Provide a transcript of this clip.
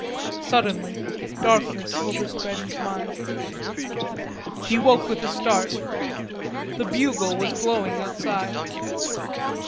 Suddenly darkness overspread his mind. He woke with a start. The bugle was blowing outside.